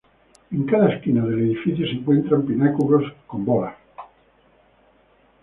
En cada esquina del edificio se encuentran pináculos con bola.